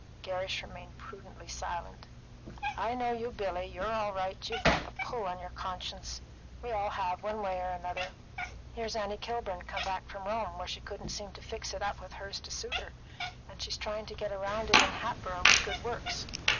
Gerrish remained prudently silent. "I know you, Billy. You're all right. You've got the pull on your conscience; we all have, one way or another. Here's Annie Kilburn, come back from Rome, where she couldn't seem to fix it up with hers to suit her, and she's trying to get round it in Hatboro' with good works.